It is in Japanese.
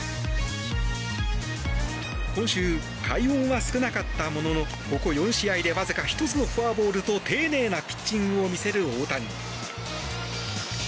今週、快音は少なかったもののここ４試合でわずか１つのフォアボールと丁寧なピッチングを見せる大谷。